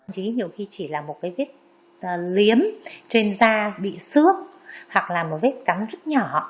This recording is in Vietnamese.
chứ nhiều khi chỉ là một cái vết liếm trên da bị xước hoặc là một vết cắn rất nhỏ